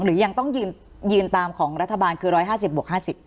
หรือยังต้องยืนตามของรัฐบาลคือ๑๕๐บวก๕๐